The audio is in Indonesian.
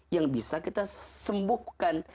yang bisa kita sembuhkan